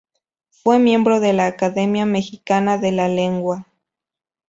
Fue miembro de la Academia Mexicana de la Lengua.